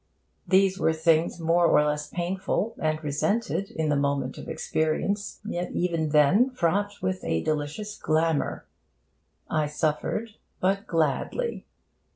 These were things more or less painful and resented in the moment of experience, yet even then fraught with a delicious glamour. I suffered, but gladly.